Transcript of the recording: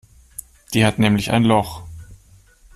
Die hat nämlich ein Loch.